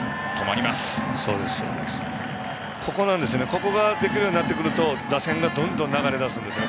ここができるようになってくると打線がどんどん流れ出すんですね。